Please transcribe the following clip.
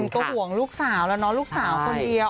ก็ห่วงลูกสาวแล้วเนาะลูกสาวคนเดียว